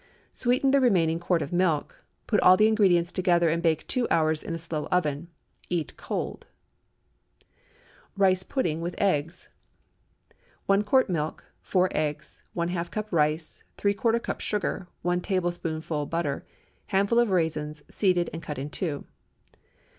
Sweeten the remaining quart of milk; put all the ingredients together, and bake two hours in a slow oven. Eat cold. RICE PUDDING WITH EGGS. ✠ 1 quart milk. 4 eggs. ½ cup rice. ¾ cup sugar. 1 tablespoonful butter. Handful of raisins, seeded and cut in two.